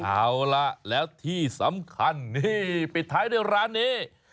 เอาล่ะแล้วที่สำคัญนี่ปิดท้ายด้วยร้านนี้